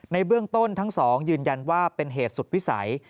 ในเบื้องต้นทั้งสองยืนยันว่าเป็นเหตุสุดวิสัย